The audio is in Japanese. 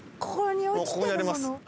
ここにあります。